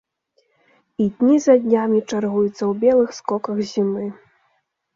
І дні за днямі чаргуюцца ў белых скоках зімы.